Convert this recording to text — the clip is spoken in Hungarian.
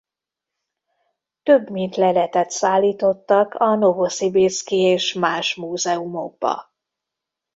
Több mint leletet szállítottak a novoszibirszki és más múzeumokba.